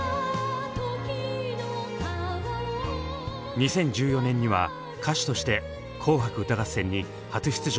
２０１４年には歌手として「紅白歌合戦」に初出場。